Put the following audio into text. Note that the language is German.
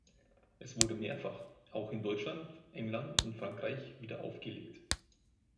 Es wurde mehrfach, auch in Deutschland, England und Frankreich, wiederaufgelegt.